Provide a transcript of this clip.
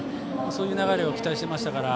そういう流れを期待していましたから。